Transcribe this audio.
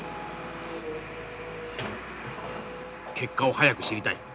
結果を早く知りたい。